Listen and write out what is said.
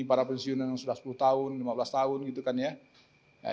para pensiunan yang sudah sepuluh tahun lima belas tahun gitu kan ya